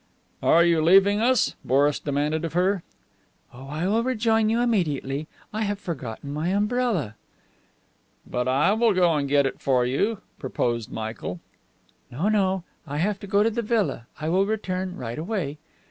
"Are you leaving us?" Boris demanded of her. "Oh, I will rejoin you immediately. I have forgotten my umbrella." "But I will go and get it for you," proposed Michael. "No, no. I have to go to the villa; I will return right away."